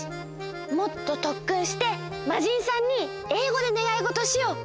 もっととっくんしてまじんさんにえいごでねがいごとをしよう！